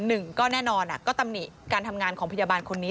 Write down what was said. หนึ่งก็แน่นอนก็ตำหนิการทำงานของพยาบาลคนนี้